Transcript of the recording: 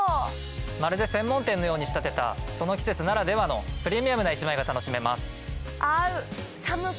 まるで専門店のように仕立てたその季節ならではの。が楽しめます。